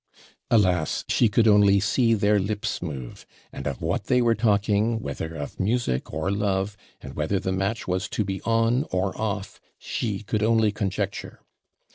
Alas! she could only see their lips move; and of what they were talking, whether of music or love, and whether the match was to be on or off; she could only conjecture.